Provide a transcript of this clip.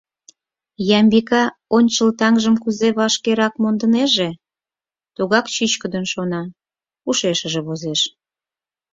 Ямбика ончыл таҥжым кузе вашкерак мондынеже, тугак чӱчкыдын шона, ушешыже возеш.